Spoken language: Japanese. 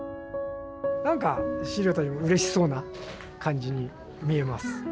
なんか資料たちもうれしそうな感じに見えます。